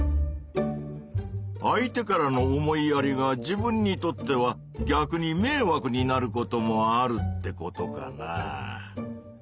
相手からの思いやりが自分にとっては逆にめいわくになることもあるってことかなぁ。